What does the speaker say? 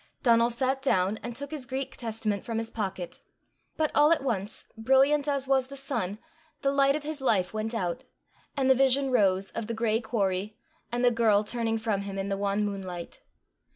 Donal sat down, and took his Greek Testament from his pocket. But all at once, brilliant as was the sun, the light of his life went out, and the vision rose of the gray quarry, and the girl turning from him in the wan moonlight.